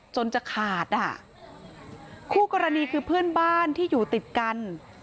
จนจะขาดอ่ะคู่กรณีคือเพื่อนบ้านที่อยู่ติดกัน